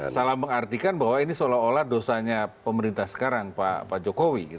salah mengartikan bahwa ini seolah olah dosanya pemerintah sekarang pak jokowi